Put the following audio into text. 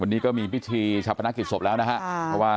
แบบนี้ก็มีปิธีชัพพนักกิจศพแล้วนะครับ